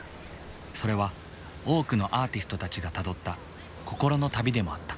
それは多くのアーティストたちがたどった心の旅でもあった。